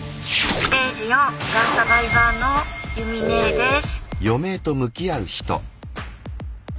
ステージ４がんサバイバーのゆみねーです。